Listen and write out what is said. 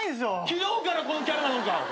昨日からこのキャラなのか。